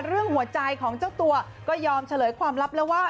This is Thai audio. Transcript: เรื่องหัวใจของเจ้าตัวก็ยอมเฉลยความลับแล้วว่า